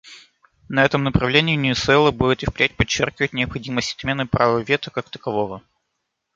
На этом направлении Венесуэла будет и впредь подчеркивать необходимость отмены права вето как такового.